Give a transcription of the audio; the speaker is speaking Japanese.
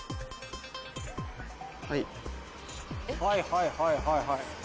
はいはいはいはい。